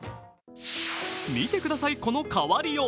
見てください、この変わりよう。